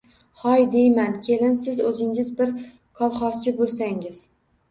Hoy, deyman, kelin, siz oʼzingiz bir kolxozchi boʼlsangiz